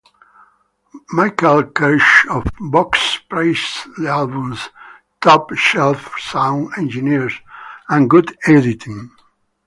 Michele Kirsch of "Vox" praised the album's "top shelf sound engineers" and "good editing.